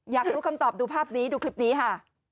อยากรู้คำตอบดูภาพนี้ดูคลิปนี้ค่ะ